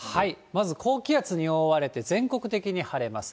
まず高気圧に覆われて、全国的に晴れます。